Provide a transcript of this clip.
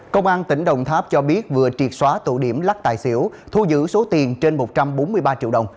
công an tỉnh đồng tháp cho biết vừa triệt xóa tụ điểm lắc tài xỉu thu giữ số tiền trên một trăm bốn mươi ba triệu đồng